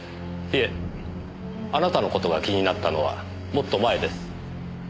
いえあなたの事が気になったのはもっと前です。